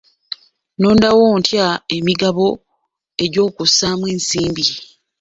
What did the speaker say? Nnonda wo ntya emigabo egy'okussaamu ensimbi?